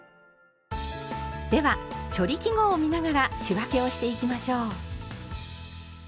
では「処理記号」を見ながら仕分けをしていきましょう。